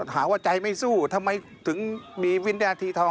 หาว่าใจไม่สู้ทำไมถึงมีวินทรียาทีทอง